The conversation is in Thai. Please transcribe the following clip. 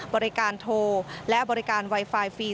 บริการโทรและบริการไวไฟฟรี